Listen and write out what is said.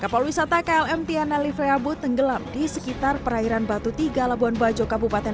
kapal wisata klm tiana live abu tenggelam di sekitar perairan batu tiga labuan bajo kabupaten